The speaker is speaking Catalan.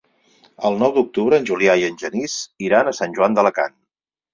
El nou d'octubre en Julià i en Genís iran a Sant Joan d'Alacant.